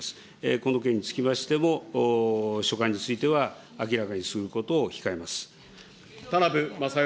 この件につきましても、書簡については、明らかにすることを控えます。